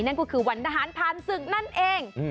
นั่นก็คือวันทหารผ่านศึกนั่นเอง